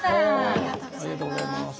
ありがとうございます。